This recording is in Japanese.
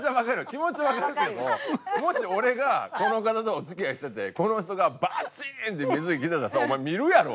気持ちはわかるけどもし俺がこの方とお付き合いしててこの人がバチーンって水着着てたらお前見るやろ？